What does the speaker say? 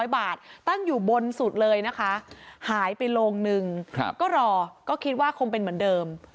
๐บาทตั้งอยู่บนสุดเลยนะคะหายไปโรงนึงก็รอก็คิดว่าคงเป็นเหมือนเดิม